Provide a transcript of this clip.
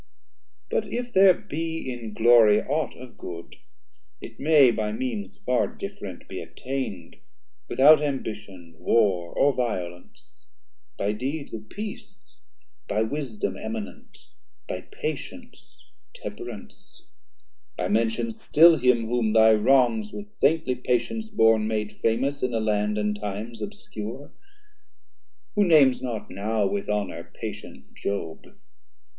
But if there be in glory aught of good, It may by means far different be attain'd Without ambition, war, or violence; 90 By deeds of peace, by wisdom eminent, By patience, temperance; I mention still Him whom thy wrongs with Saintly patience born, Made famous in a Land and times obscure; Who names not now with honour patient Job?